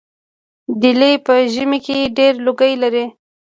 ډیلي په ژمي کې ډیر لوګی لري.